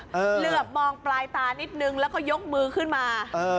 เหลือบมองปลายตานิดนึงแล้วก็ยกมือขึ้นมา